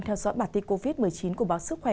theo dõi bản tin covid một mươi chín của báo sức khỏe